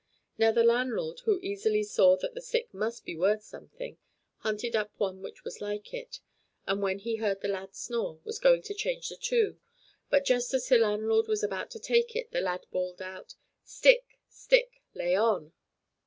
Now the landlord, who easily saw that the stick must be worth something, hunted up one which was like it, and when he heard the lad snore, was going to change the two, but just as the landlord was about to take it the lad bawled out: "Stick, stick! lay on!"